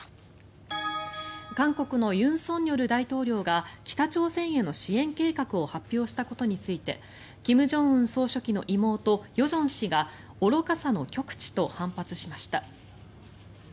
韓国の尹錫悦大統領が北朝鮮への支援計画を発表したことについて金正恩総書記の妹・与正氏が愚かさの極致と反発しました。